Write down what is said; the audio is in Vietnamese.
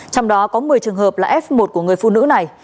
trong đó có một mươi trường hợp là f một của người phụ nữ này